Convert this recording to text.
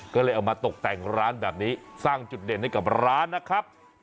ก็เลยเอามาตกแต่งร้านแบบนี้สร้างจุดเด่นให้กับร้านนะครับ